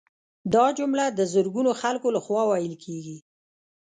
دا جمله د زرګونو خلکو لخوا ویل کیږي